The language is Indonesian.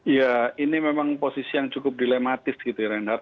ya ini memang posisi yang cukup dilematis gitu renhard